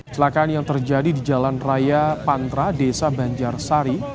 celakaan yang terjadi di jalan raya pantra desa banjar sari